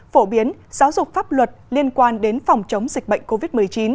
phổ biến giáo dục pháp luật liên quan đến phòng chống dịch bệnh covid một mươi chín